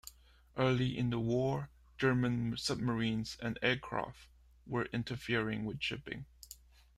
Early in the war, German submarines and aircraft were interfering with shipping.